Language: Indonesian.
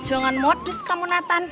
jangan modus kamu nathan